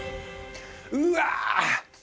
うわ！